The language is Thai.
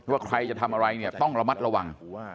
ว่าใครจะทำอะไรต้องระมัดระวัง